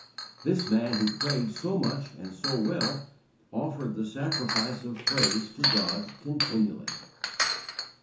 This man who prayed so much and so well, offered the sacrifice of praise to God continually.